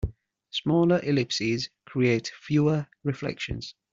Smaller ellipses create fewer reflections.